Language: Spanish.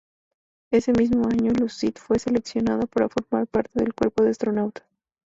Ese mismo año Lucid fue seleccionada para formar parte del Cuerpo de Astronautas.